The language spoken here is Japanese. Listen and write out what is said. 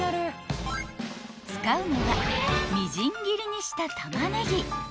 ［使うのはみじん切りにした玉ねぎ］